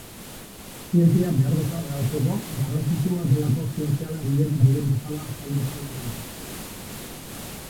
Zientzia behar bezala garatzeko, garrantzitsua delako zientzialariek diren bezala azalduta lan egitea.